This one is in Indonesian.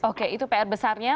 oke itu pr besarnya